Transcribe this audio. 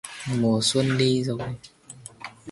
Mùa xuân đi rồi